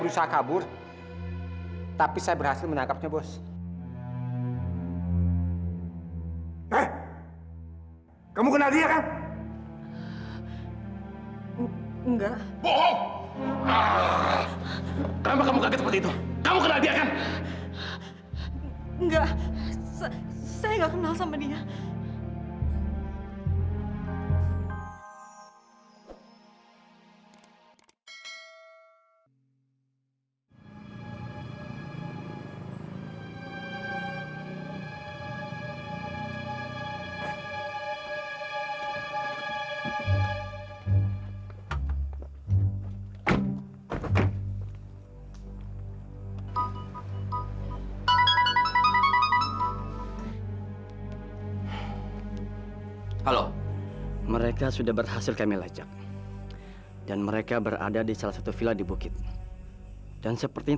sampai jumpa di video selanjutnya